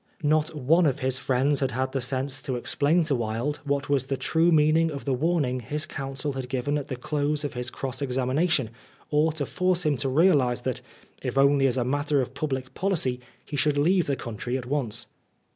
Not one of his friends had had the sense to explain to Wilde what was the true meaning of the warning his counsel had given at the close of his cross examina tion, or to force him to realise that, if only as a matter of public policy, he should leave the country at once.